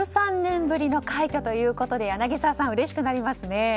１３年ぶりの快挙ということで柳澤さん、うれしくなりますね。